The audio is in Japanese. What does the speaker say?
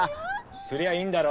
すりゃあいいんだろ！